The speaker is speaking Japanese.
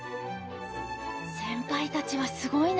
先輩たちはすごいな。